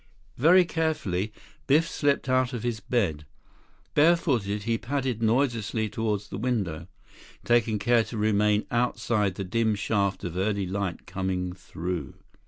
2 Very carefully, Biff slipped out of his bed. Bare footed, he padded noiselessly toward the window, taking care to remain outside the dim shaft of early light coming through.